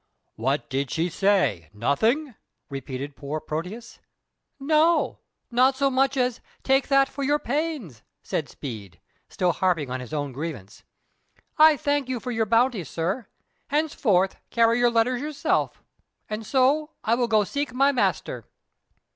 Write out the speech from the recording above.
"What did she say? Nothing?" repeated poor Proteus. "No, not so much as 'Take that for your pains,'" said Speed, still harping on his own grievance. "I thank you for your bounty, sir. Henceforth carry your letters yourself. And so I will go seek my master."